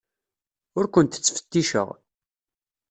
Ur kent-ttfetticeɣ.